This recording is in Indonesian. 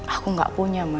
aku gak punya ma